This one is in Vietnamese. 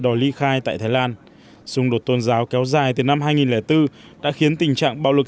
đòi ly khai tại thái lan xung đột tôn giáo kéo dài từ năm hai nghìn bốn đã khiến tình trạng bạo lực